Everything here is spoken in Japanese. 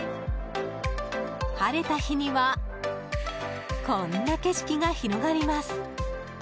晴れた日にはこんな景色が広がります。